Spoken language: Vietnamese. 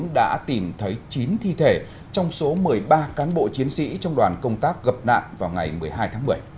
đã tìm thấy chín thi thể trong số một mươi ba cán bộ chiến sĩ trong đoàn công tác gặp nạn vào ngày một mươi hai tháng một mươi